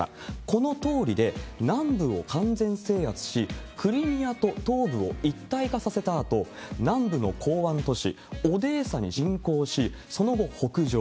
このとおりで、南部を完全制圧し、クリミアと東部を一体化させたあと、南部の港湾都市、オデーサに侵攻し、その後、北上。